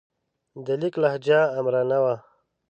د لیک لهجه آمرانه وه.